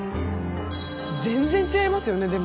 全然違いますよねでもね。